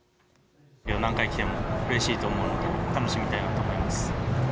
何回来てもうれしいと思うので、楽しみたいなと思います。